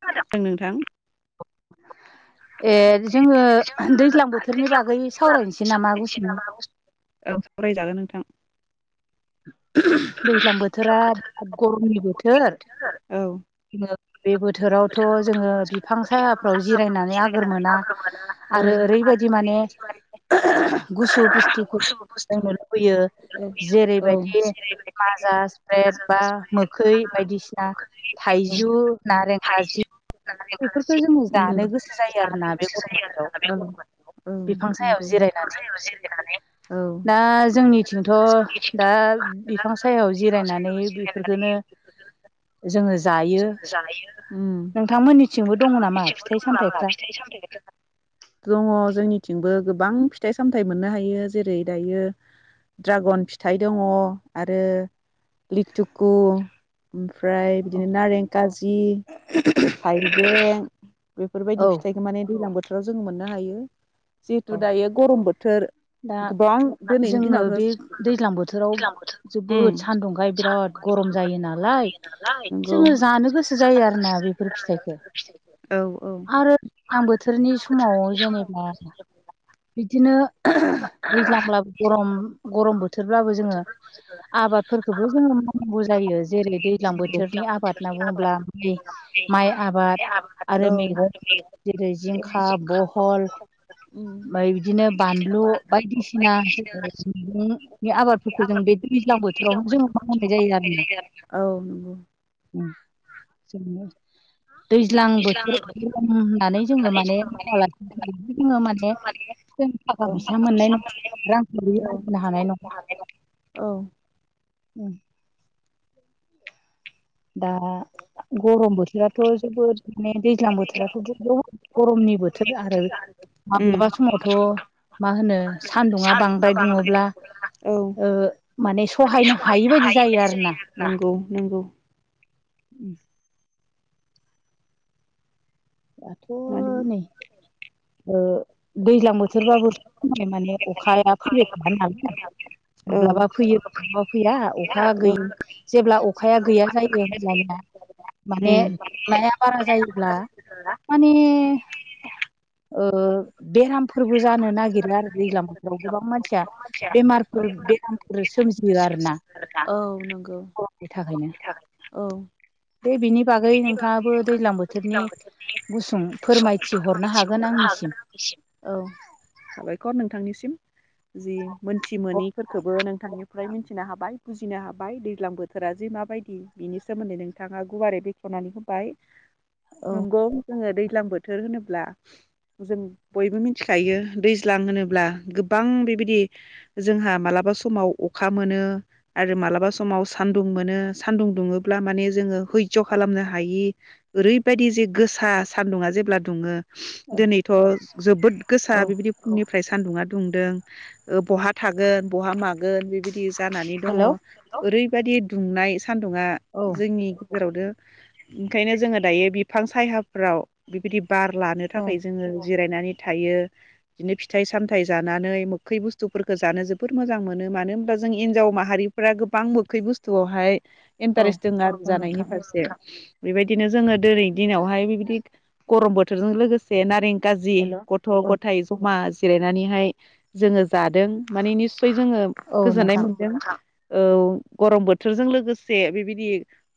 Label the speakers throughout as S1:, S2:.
S1: [unintelligible] नोंथां?
S2: [inaudible] ए जोङो दैज्लां बोथोरनि बागै सावरायनोसै नामा गुसुनो?
S1: औ सावरायजागोन। नोंथां
S2: दैज्लां बोथोरा गरमनि बोथोर
S1: औ
S2: [unintelligible] बे बोथोरावथ' जोङो बिफां साया फाव जिरायनानै आगोर मोना
S1: औ
S2: आरो ओरैबायदि माने गुसु बुस्थु [unintelligible] लुबैयो।
S1: औ
S2: जेरैबायदि माजा स्प्रेड बा मोखै बायदिसिना थाइजौ नारें खाजि बेफोरखौ जोङो जानो गोसो जायो आरोना बे गरम बोथोराव।
S1: औ
S2: बिफां सायाव
S1: नंगौ
S2: जिरायनानै
S1: [unintelligible] औ।
S2: बिथिंथ' दा बिफां सायाव जिरायनानै बेफोरखोनो जोङो जायो
S1: [unintelligible] उम।
S2: थिंबो दङ नामा फि
S1: [unintelligible] दङ जोंनिथिंबो गोबां फिथाइ सामथाइ मोननो हायो। जेरै दायो ड्रागन फिथाइ दङ आरो लिटुकु। ओमफ्राय बिदिनो नारें खाजि, थाइबें बेफोरबायदि
S2: औ
S1: फिथाइखौ माने दैलां बोथोराव जोङो मोननो हायो। जिहेतु दायो गरम बोथोर
S2: दा
S1: गोबां दिनैनि
S2: जोङो बे
S1: दिनावथ'
S2: दैज्लां बोथोराव
S1: उम
S2: जोबोद सान्दुंखायै बिराद ग रम जायो नालाय
S1: नंगौ
S2: जोङो जानो गोसो जायो आरोना बेफोर फिथाइखौ
S1: औ औ
S2: आरो दैज्लां बोथोरनि समाव जेनोबा बिदिनो दैज्लांब्लाबो गरम गरम बोथोरब्लाबो जोङो आबादफोरखौबो जोङो मावनांगौ जायो जेरै दैज्लां
S1: नंगौ
S2: बोथोरनि आबाद होनना बुङोब्ला माइ। माइ आबाद
S1: [inaudible]
S2: आरो
S1: औ
S2: मैगं जेरै जिंखा बहल ओफ्राय बिदिनो‌। बानलु बायदिसिना जोङो मैगंनि आबादफोरखौ जों बे दैज्लां बोथोरावनो जों मावनाय जायो आरोना
S1: औ नंगौ
S2: [unintelligible] दैज्लां बोथोराव होननानै जोङो माने मावालासिनो जोङो माने जों
S1: औ
S2: थाखा फैसा मोननाय नङा रांखौ आरजिनो हानाय नङा
S1: औ
S2: ओम दा गरम बोथोराथ' जोबोद माने दैज्लां बोथोराथ' गरमनि बोथोर आरो
S1: उम
S2: माब्लाबा समावथ' मा होनो सान्दुङा बांद्राय दुङोब्ला
S1: औ
S2: ओ माने सहायनो हायि बायदि जायो आरोना
S1: नंगौ नंगौ
S2: उ
S1: माने
S2: दाथ' नै ओ दैज्लां बोथोरबाबोथ' खमाय माने अखाया फैबाय थाया नालाय।
S1: औ
S2: माब्लाबा फैयो माब्लाबा फैया अखा
S1: उम
S2: गैयै जेब्ला अखाया गैया जायो होमब्लाना माने लाया बारा जायोब्ला माने ओ बेरामफोरबो जानो नागिरो आरो दैलां बोथोराव गोबां मानसिया बेमारफोर बेरामफोर सोमजियो आरो ना
S1: औ नोंगौ औ।
S2: दे बिनि बागै नोंथाङाबो दैज्लां बोथोरनि गुसुं फोरमायथि हरनो
S1: फोरमायथिहरनो हागोन आंनिसिम औ साबायखर नोंथांनिसिम जि मोनथि मोनिफोरखोबो नोंथांनि मफ्राय मिथिनो हाबाय बुजिनो हाबाय दैज्लां बोथोरा जे माबायदि बिनि सोमोन्दै नोंथाङा गुवारै बेखेव होननानै होबाय नंगौ जोङो दैज्लां बोथोर होनोब्ला जों बयबो मिथिखायो दैज्लां होनोब्ला गोबां बेबायदि जोंहा मालाबा माब्लाबा समाव अखा मोनो आरो मालाबा समाव सान्दुं मोनो सान्दुं दुङोब्ला माने जोङो हयज' खालामनो हायि ओरैबायदि जे गोसा सान्दुङा जेब्ला दुङो दिनैथ' जोबोद गोसा
S2: औ
S1: बिबायदि फुंनिफ्राय सान्दुङा दुंदों बहा थागोन बहा मागोन बेबायदि जानानै दङ'
S2: हेलौ
S1: ओरै बेबायदि दुंनाय सान्दुंङा
S2: औ
S1: जोंनि जेरावदो ओंखायनो जोङो दायो बिफां साहाफ्राव बेबायदि बार लानो
S2: औ
S1: थाखाय जोङो जिरायनानै थायो बिदिनो फिथाइ सामथाइ जानानै मोखै बुस्थुफोरखौ जानो जोबोद मोजां मोनो। मानो होनबा जों हिनजाव माहारिफ्रा गोबां मोखै बुस्थुआवहाय
S2: औ
S1: इन्टारेस्ट दं आरो
S2: औ
S1: जानायनि
S2: नोंथां
S1: फारसे बेबायदिनो जोङो दिनै दिनावहाय बिबायदि गरम बोथोरजों लोगोसे नारें गाजि
S2: हेल'
S1: गथ'
S2: औ
S1: गथाइ जमा। जिरायनानैहाय जोङो जादों माने निसय जोङो
S2: औ
S1: गोजोननाय
S2: नोंथां
S1: मोनदों औ गरम बोथोरजों लोगोसे बेबायदि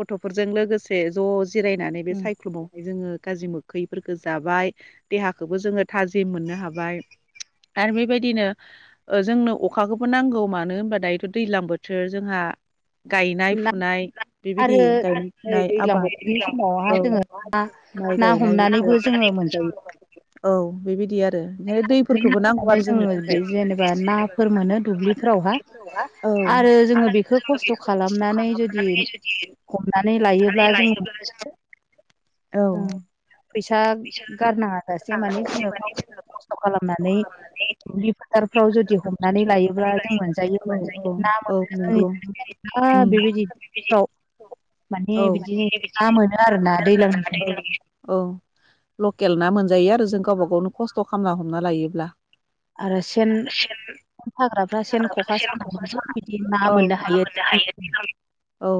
S1: गथ'फोरजों लोगोसे ज'। जिरायनानै बे
S2: उम
S1: सायख्लुमावहाय जोङो। गाज्रि मोखैफोरफोरखौ जाबाय देहाखोबो जोङो थाजिम मोननो हाबाय। आरो बेबायदिनो जोंनो अखाखौबो नांगौ मानो होनबा दायोथ' दैज्लां बोथोर जोंहा।
S2: [inaudible]
S1: गायनाय
S2: ना
S1: फुनाय
S2: आरो
S1: बेबायदि गायनाय
S2: नै
S1: फुनाय
S2: दैज्लां बोथोरनि
S1: आबाद
S2: समावहा जोङो
S1: औ
S2: ना
S1: गायनाय औ बेबायदि आरो
S2: हमनानैबो जोङो मोनजायो
S1: [unintelligible] औ बेबादि आरो बे
S2: बोथोरनि
S1: दैफोरखौबो नांगौ
S2: समावनो
S1: आरो जोंनो
S2: जोङो
S1: थाखाय।
S2: बे जेनेबा नाफोर मोनो दुब्लिफोरावहा
S1: औ
S2: जोङो
S1: आरो
S2: बेखौ
S1: जोङो
S2: खस्थ'
S1: बेखौ खस्थ'
S2: खालामनानै
S1: खालामनानै जुदि।
S2: हमनानै
S1: अनानै
S2: लायोब्ला जों
S1: लायो अ।
S2: [inaudible]
S1: औ।
S2: फैसा गारनाङा जासे माने जोङो गाव खस्थ' खालामनानै दुब्लि फोथारफ्राव जुदि हमनानै लायोब्ला जों मोनजायो
S1: औ
S2: ना
S1: औ
S2: मोनो जोंनि।
S1: नंगौ
S2: ह
S1: उम
S2: बेबायदिफ्राव। माने
S1: औ
S2: बिदि ना मोनो आरोना दैलांनि समाव
S1: औ लकेल ना मोनजायो आरो जों गावबा गावनो खस्थ' खालामना हमना लायोब्ला
S2: आरो सेन। हाग्राफ्रा सेन ख'खा सानानैबो बिदि ना मोननो हायो दैलां।
S1: औ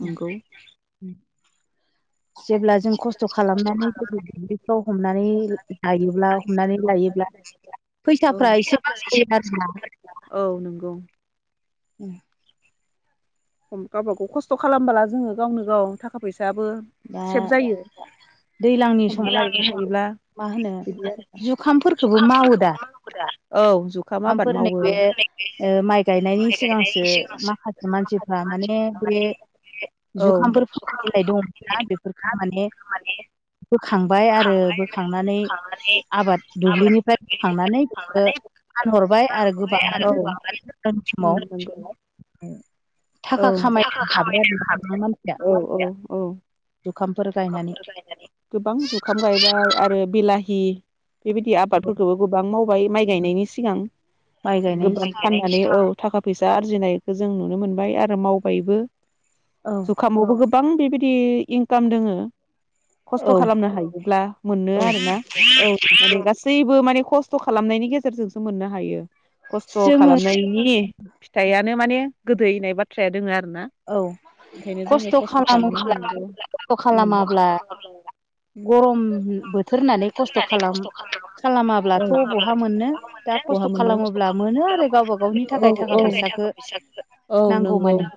S1: नंगौ।
S2: जेब्ला जों खस्थ' खालामनानै जुदि दुब्लिफ्राव हमनानै लायोब्ला हमनानै लायोब्ला।
S1: औ
S2: फैसाफ्रा एसे बासायो आरोना‌
S1: औ नंगौ
S2: उ।
S1: गावबा गाव खस्थ' खालामबोला जोङो गावनो गाव थाखा फैसा फिसाबो
S2: दा
S1: सेब जायो
S2: दैज्लांनि
S1: हम
S2: समाव
S1: हमब्ला
S2: मा होनो जुखामफोरफोरखौबो मावो दा।
S1: औ जुखाम आबाद
S2: ओंखामफोर
S1: मावो औ
S2: नैबे माइ गायनायनि सिगांसो माखासे मानसिफ्रा माने बे।
S1: औ
S2: जुखामफोर फोनना होननाय दङमोना बेफोरखो माने बोखांबाय आरो बोखांनानै आबाद दुब्लिनिफ्राय बोखांनानै बेखौ फानहरबाय आरो गोबाङानो
S1: उम
S2: समाव
S1: नंगौ औ
S2: थाखा
S1: थाखा
S2: खामायनो हाबाय आरो
S1: खामायनो
S2: गोबां
S1: खामानिया।
S2: मानसिया
S1: औ औ औ‌।
S2: जुखामफोर गायनानै
S1: जुखामफोर गायनानै गोबां जुखाम गायबाय आरो बिलाहि बेबायदि आबादफोरखौबो गोबां मावबाय माइ गायनायनि सिगां
S2: माइ गायनायनि
S1: गोबां
S2: सिगां
S1: फाननानै औ थाखा फैसा आरजिनायखौ जों नुनो मोनबाय आरो मावबायबो
S2: औ
S1: जुखामावबो गोब गोबां बेबायदि इनकाम दोङो खस्थ'
S2: औ
S1: खालामनो हायोब्ला मोनो
S2: औ
S1: आरोना
S2: औ
S1: माने गाससिबो। जेबो माने खस्थ' खालामनायनि गेजेरजोंसो मोननो हायो। खस्थ'
S2: जोङो
S1: खालामनायनि फिथाइआनो माने गोदैनाय बाथ्राया दोङ आरो। आरोना
S2: औ
S1: ओंखायनो जोङो खस्थ'
S2: खस्थ'
S1: खालाम
S2: खालामाब्ला
S1: [unintelligible]
S2: गरम बोथोर होननानै खस्थ' खालाम खालामाब्लाथ' बहा मोननो दा
S1: गहा
S2: खस्थ'
S1: मोनो
S2: खालामोब्ला मोनो आरो गावबा गावनि
S1: औ
S2: थाखाय
S1: औ
S2: थाखा फैसाखो नांगौ
S1: नंगौ
S2: मानि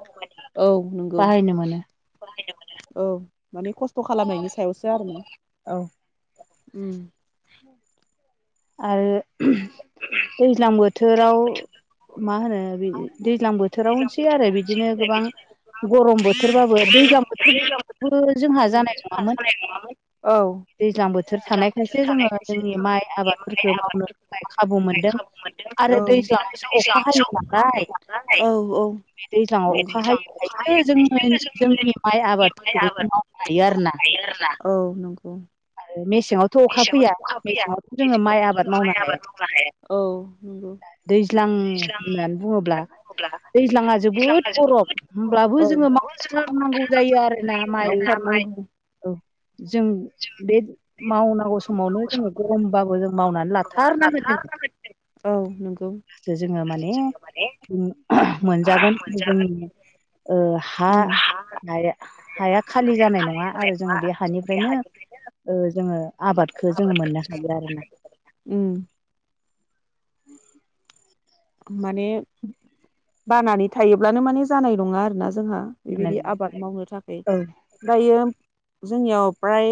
S1: औ नोंगौ औ माने खस्थ' खालामनायनि सायावसो आरो ना
S2: औ।
S1: उम।
S2: आरो दैज्लां बोथोराव मा होनो बि दैज्लां बोथोरावसै आरो बिदिनो गोबां गरम बोथोरबाबो दैज्लां बोथोरबो जोंहा जानाय नङामोन
S1: औ।
S2: दैज्लां बोथोर थानायखायसो जोङो जोंनि माइ आबादफोरखौ मावनो थाखाय खाबु मोनदों। आरो दैज्लांवसो अखा हायो नालाय।
S1: अखानालाय
S2: बे दैज्लाङाव
S1: बे
S2: अखा हायैखायसो जोङो जोंनि माइ आबादफोरखौबो जों मावनो हायो आरोना
S1: औ नंगौ।
S2: मेसेङावथ' अखा फैया मेसेङावथ' जोङो माइ आबाद मावनो हाया
S1: औ नंगौ
S2: दैज्लां होननानै बुङोब्ला दैज्लाङा जोबोद गरम होमब्लाबो
S1: औ
S2: जोङो थार नांगौ जायो आरोना माइ
S1: आव खारनांगौ
S2: औ। जों बे मावनांगौ समावनो जोङो गरमबाबो जों मावनानै लाथारनांगोन जोङो।
S1: औ नंगौ।
S2: ओ मोनजागोन बे जोंनि ओ हा
S1: उम
S2: हाया हाया खालि जानाय नङा आरो जोङो बे हानि नो जोङो आबादखो जोङो मोननो हायो आरो ना।
S1: उम
S2: [unintelligible]
S1: माने बानानै थायोब्लानो माने जानाय नङा आरोना। जोंहा बेबायदि
S2: मोननानै
S1: आबाद मावनो थाखाय
S2: औ
S1: दायो जोंनियाव फ्राय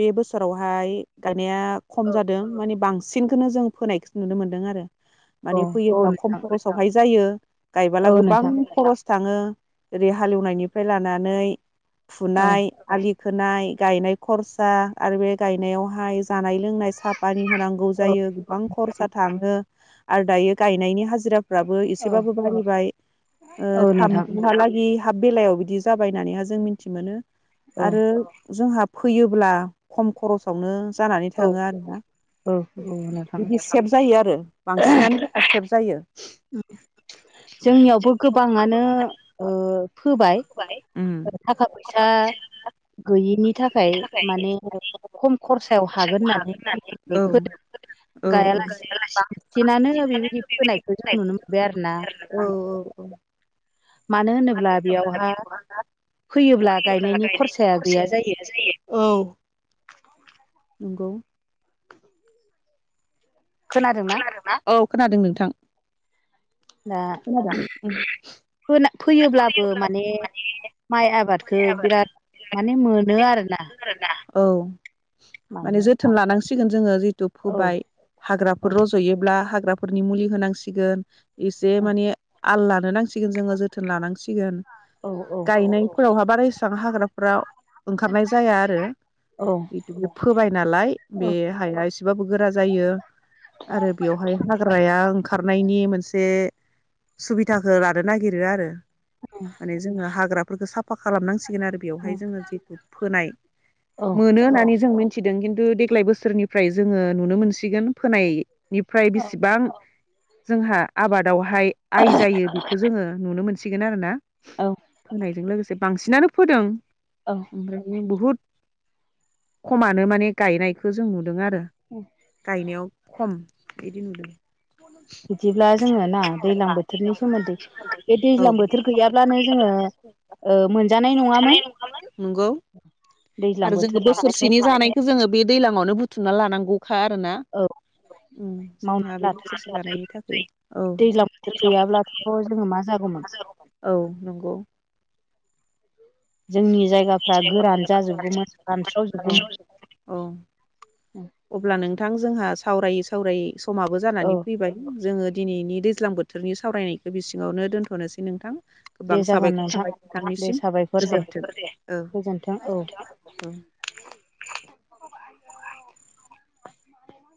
S1: बे बोसोरावहाय गायनाया खम जादों माने बां सिनखौनो जों फोनायखौ नुनो मोनदों आरो।
S2: औ। औ
S1: जेब्ला खम
S2: नोंथां
S1: खरसावहाय जायो गायबोला
S2: औ
S1: गोबां
S2: नोंथां
S1: खरस थाङो ओरै हालेवनायनिफ्राय लानानै
S2: औ
S1: फुनाय आलि खोनाय गायनाय खरसा आरो बे गायनायावहाय जानाय लोंनाय साफा दै होनांगौ
S2: औ
S1: जायो आरो गोबां खरसा थाङो आरो दायो‌ गायनायनि हाजिर हाजिराफ्राबो
S2: औ
S1: एसेबाबो बारायबाय ओ
S2: औ नोंथां
S1: थामजौहालागै हाब बेलायाव बिदि जाबाय होननानैहा जों मिथि मोनो
S2: औ
S1: आरो जोंहा फैयोब्ला खम खरसावनो जानानै
S2: औ
S1: थाङो आरोना
S2: औ औ नोंथां
S1: बिदि सेभ जायो आरो बांसिनानो। एखेब जायो।
S2: जोंनियावबो गोबाङानो ओ फोबाय
S1: उम
S2: बाय थाखा फैसा गैयिनि थाखाय माने खम खरसायाव हागोन होननानै बेगरखौ फोदों।
S1: औ औ
S2: गायालासिनो बांसिनानो बेबायदि फोनाय बेखौ जों नुनो मोनबाय आरो ना।
S1: मानो होनोब्ला बेवह फैयोब्ला गायनायनि खरसाया गैया जायो। औ। नंगौ खोनादोंना औ खोनादों नोंथां।
S2: दा
S1: खोनादों
S2: फोयोब्लाबो माने माइ आबादखौ बिराद माने मोनो आरो ना।
S1: औ माने जोथोन लानांसिगोन जोङो दुब
S2: औ
S1: फोबाय
S2: औ
S1: हाग्राफोर रज'योब्ला हाग्राफोरनि मुलि होनांसिगोन। एसे
S2: औ
S1: माने आल लानो नांसिगोन जोङो जोथोन लानांसिगोन।
S2: औ औ
S1: गायनायफोरावहा बारा इसेबां हाग्राफोरा ओंखारनाय जाया आरो। जिथु फोबाय नालाय
S2: औ
S1: बे हाया एसेबाबो गोरा जायो। आरो बेवहाय हाग्राया ओंखारनायनि मोनसे सुबिदाखौ लानो नागिरो आरो। माने जोङो हाग्राफोरखौ साफ फा खालामनांसिगोन आरो बेयावहाय जोङो जेथु फोनाय
S2: औ
S1: मोनो होननानै जों मिथिदों खिन्थु देग्लाय बोसोरनिफ्राय जोङो नुनो मोनसिगोन फोनाय निफ्राय बेसेबां जोंहा आबादावहाय आइ जायो बेखौ जोङो नुनो मोन सिगोन आरोना
S2: औ
S1: फोनायजों लोगोसे बांसिनानो फोदों
S2: औ
S1: ओमफ्राय बहुद खमानो माने गायनायखौ जों नु दों आरो गायनायाव खम बिदि नुदों।
S2: बिदिब्ला जोङो ना दैलां बोथोरनि सोमोन्दै बे
S1: औ
S2: दैज्लां बोथोर गैयाब्लानो जोङो मोनजानाय नङामोन।
S1: नंगौ
S2: दैज्लां
S1: आरो जोङो
S2: बोथोर थानायखाय
S1: बोसोरसेनि जानायखौ जोङो बे दैलांवनो बुथुमना लानांगौखा आरोना।
S2: औ
S1: ओं जोंहा
S2: मावनानै
S1: बेखौ
S2: लाथार
S1: [unintelligible] लानायनि थाखाय औ।
S2: दैज्लां बोथोर गैयाब्लाथ' जोङो मा जागौमोन
S1: औ नंगौ।
S2: जोंनि जायगाफ्रा गोरान जाजोबगौमोन
S1: औ औ
S2: रानस्रावजोबगौमोन। [inaudible]
S1: अब्ला नोंथां जोंहा सावरायै सावरायै समाबो
S2: औ
S1: जानानै फैबाय जोङो दिनैनि दैज्लां बोथोरनि सावरायनायखौ बि सिङावनो दोनथ'नोसै नोंथां।
S2: दे
S1: गोबां
S2: जागोन
S1: साबायखर
S2: नोंथां
S1: थाबाय
S2: दे
S1: बिथांनिसिम
S2: साबायखर दे
S1: गोजोनथों औ औ।
S2: [inaudible]